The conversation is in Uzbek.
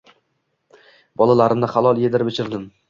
Bolalarimni halol edirib-ichirdim